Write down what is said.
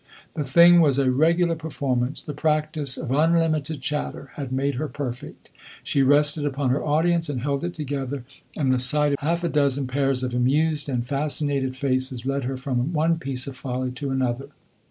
The thing was a regular performance; the practice of unlimited chatter had made her perfect. She rested upon her audience and held it together, and the sight of half a dozen pairs of amused and fascinated faces led her from one piece of folly to another.